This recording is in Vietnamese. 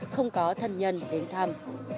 không có thân nhân đến thăm